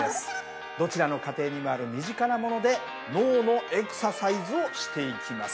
どちらの家庭にもある身近なもので脳のエクササイズをしていきます。